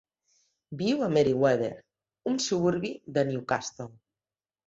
Viu a Merewether, un suburbi de Newcastle.